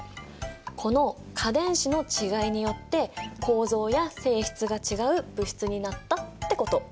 この価電子の違いによって構造や性質が違う物質になったってこと。